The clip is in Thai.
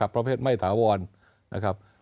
ประเภทไม่ถาวรนะครับ